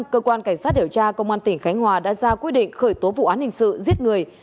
cơ quan cảnh sát điều tra công an tỉnh khánh hòa đã ra quyết định khởi tố vụ án hình sự giết người